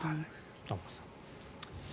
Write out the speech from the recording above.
玉川さん。